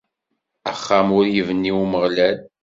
Axxam ur ibni Umeɣlal.